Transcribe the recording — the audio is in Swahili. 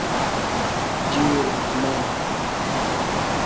Jiwe la thamani.